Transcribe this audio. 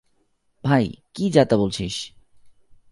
ভাই, কী যা-তা বলছিস?